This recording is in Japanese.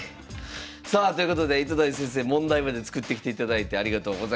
さあということで糸谷先生問題まで作ってきていただいてありがとうございました。